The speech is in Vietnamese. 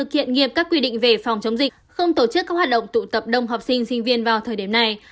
hoạt động tụ tập đông học sinh sinh viên vào thời điểm này